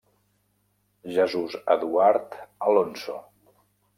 Jesús Eduard Alonso.